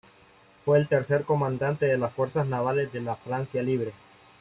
Fue el tercer comandante de las Fuerzas navales de la Francia Libre.